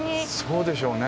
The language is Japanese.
そうでしょうね。